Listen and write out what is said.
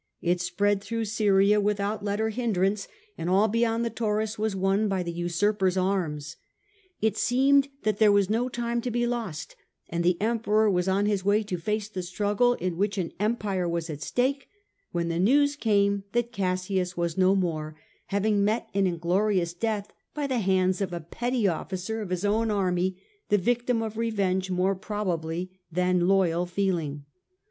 It spread through Syria without let i 47 i 8 o . Marcus Aurelitis Antoninus, 107 or hindrance, and all beyond the Taurus was won by the usurper's arms. It seemed that there was no time to be lost ; and the Emperor was on his way to face the struggle in which an empire was at stake, when the news came that Cassius was no more, having met an inglorious death by the hand of a petty officer of his own army, the victim of revenge more probably than loyal feeling.